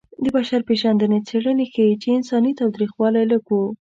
د بشر پېژندنې څېړنې ښيي چې انساني تاوتریخوالی لږ و.